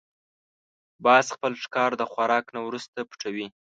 باز خپل ښکار د خوراک نه وروسته پټوي